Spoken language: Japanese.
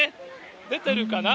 出てるかな？